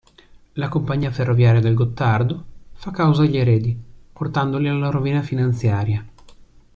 La Compagnia ferroviaria del Gottardo, fa causa agli eredi, portandoli alla rovina finanziaria.